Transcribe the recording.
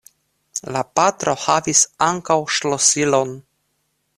La patro havis ankaŭ ŝlosilon.